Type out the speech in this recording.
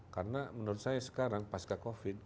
karena menurut saya sekarang pasca covid